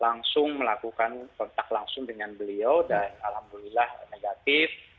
langsung melakukan kontak langsung dengan beliau dan alhamdulillah negatif